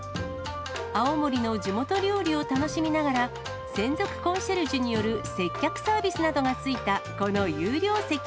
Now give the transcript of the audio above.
青森の地元料理を楽しみながら、専属コンシェルジュによる接客サービスなどがついたこの有料席。